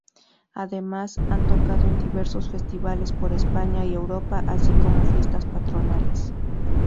Además, han tocado en diversos festivales por España y Europa, así como fiestas patronales.